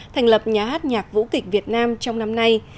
thành lập nhà hát nhạc vũ kịch việt nam trong năm nay